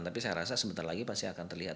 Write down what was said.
tapi saya rasa sebentar lagi pasti akan terlihat